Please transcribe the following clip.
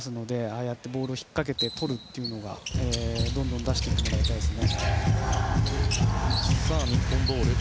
あやってボールを引っかけてとるというのをどんどん出していってもらいたいですね。